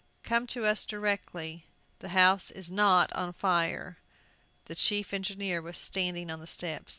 "Come to us directly the house is NOT on fire!" The chief engineer was standing on the steps.